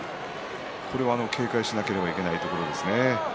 これは警戒しなければいけないところですね。